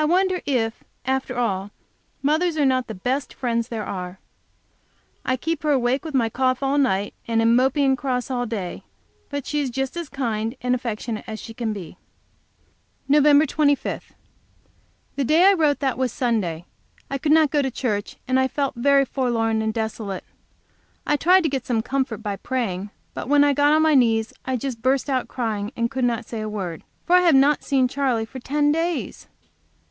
I wonder if, after all, mothers are not the best friends there are! I keep her awake with my cough all night, and am mopy and cross all day, but she is just as kind and affectionate as she can be. Nov. 25. The day I wrote that was Sunday. I could not go to church, and I felt very forlorn and desolate. I tried to get some comfort by praying, but when I got on my knees I just burst out crying and could not say a word. For I have not seen Charley for ten days.